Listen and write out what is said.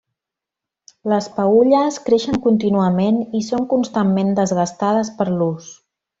Les peülles creixen contínuament i són constantment desgastades per l'ús.